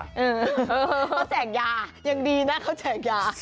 เขาแจกยายังดีนะเขาแจกยา